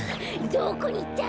どこにいった！？